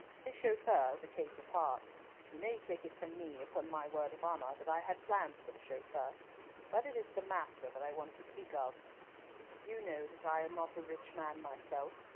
His chauffeur is a case apart. You may take it from me, upon my word of honour, that I had plans for the chauffeur. But it is the master that I want to speak of. You know that I am not a rich man myself.